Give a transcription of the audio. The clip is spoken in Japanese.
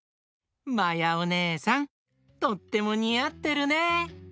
まやおねえさんとってもにあってるね！